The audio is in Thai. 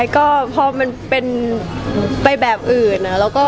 ก็พอมันเป็นไปแบบอื่น